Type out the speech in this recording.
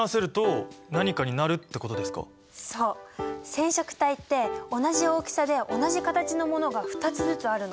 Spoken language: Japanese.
染色体って同じ大きさで同じ形のものが２つずつあるの。